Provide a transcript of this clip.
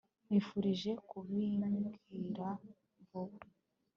nkwifurije kubimbwira vuba